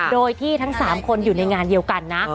โดยที่ทั้ง๓คนอยู่ในงานเดียวกันนะ